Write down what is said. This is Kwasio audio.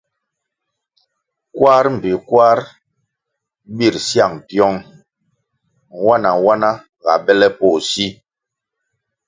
Kwar mbpi kwar bir syang pyong, nwana-nwana ga bele poh si.